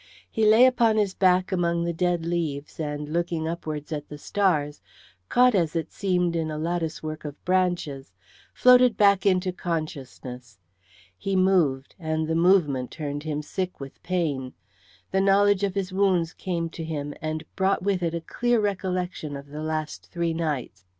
He lay upon his back among the dead leaves, and looking upwards at the stars, caught as it seemed in a lattice work of branches, floated back into consciousness. He moved, and the movement turned him sick with pain. The knowledge of his wounds came to him and brought with it a clear recollection of the last three nights.